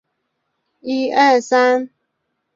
曾任中国人民解放军北京军区空军政治部主任。